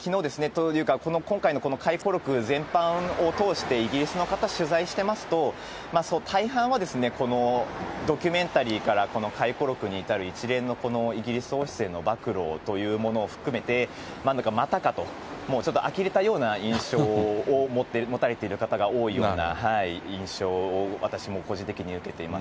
きのうというか、今回の回顧録全般を通して、イギリスの方、取材してますと、大半はこのドキュメンタリーから回顧録に至る一連のイギリス王室への暴露というものを含めて、またかと、あきれたような印象を持たれている方が多いような印象を、私も個人的に受けています。